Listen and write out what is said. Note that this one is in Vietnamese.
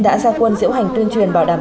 đã ra quân diễu hành tuyên truyền bảo đảm